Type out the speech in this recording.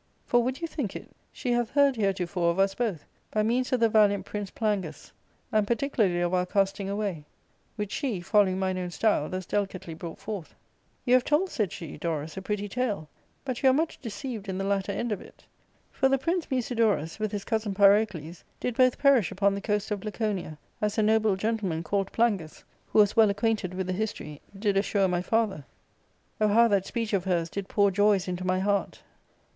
For — would you think it ?— she hath heard heretofore of us both, by means of the valiant Prince Plangus, and particularly of our casting away, which she, following mine own style, thus delicately brought forth :* You have told,' said she, * Dorus, a pretty tale ; but you are much deceived in the latter end of it. For the Prince Musidorus, with his cousin Pyrocles, did both perish upon the coast of LaconiaT, as a noble gentleman, called Plangus, who was well acquainted with the history, did assure my father.' Oh, how that speech of hers did pour joys into my heart